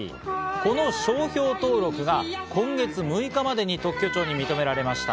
この商標登録が今月６日までに特許庁に認められました。